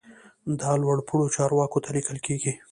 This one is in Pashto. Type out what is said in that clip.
دا لوړ پوړو چارواکو ته لیکل کیږي.